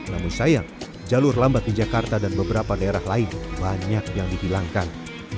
namun sayang jalur lambat di jakarta dan beberapa daerah lain banyak yang dihilangkan